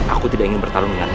aku tidak ingin bertarung dengan